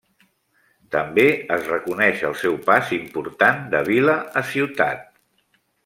També es reconeix el seu pas important de vila a ciutat.